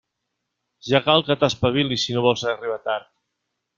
Ja cal que t'espavilis si no vols arribar tard.